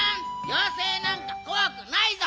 ようせいなんかこわくないぞ。